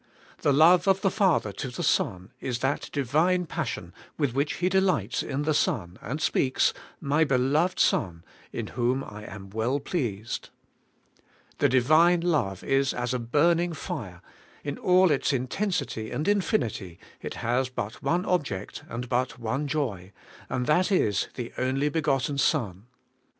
The love of the Father to the Son is that Divine passion with which He delights in the Son, and speaks, 'My beloved Son, in whom I am well pleased.' The Divine love is as a burning fire; in all its intensity and infinity it has but one object and but one joy, and that is the only begotten Son.